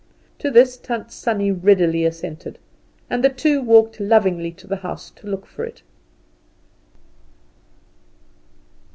To this Tant Sannie readily assented, and the two walked lovingly to the house to look for it.